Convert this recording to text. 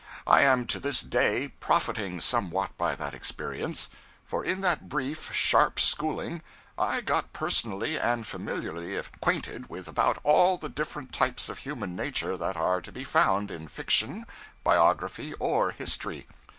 I am to this day profiting somewhat by that experience; for in that brief, sharp schooling, I got personally and familiarly acquainted with about all the different types of human nature that are to be found in fiction, biography, or history.